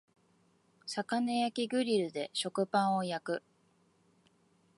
魚焼きグリルで食パンを焼く